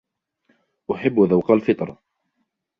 أحبّ ذوق الفطر.